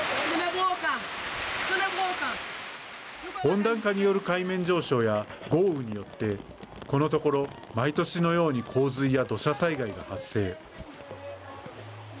温暖化による海面上昇や豪雨によってこのところ毎年のように洪水や土砂災害が発生。